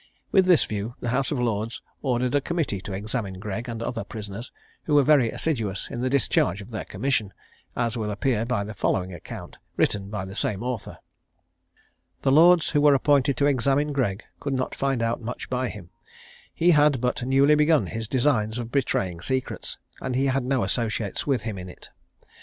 With this view, the House of Lords ordered a committee to examine Gregg and the other prisoners, who were very assiduous in the discharge of their commission, as will appear by the following account, written by the same author: "The Lords who were appointed to examine Gregg could not find out much by him: he had but newly begun his designs of betraying secrets, and he had no associates with him in it.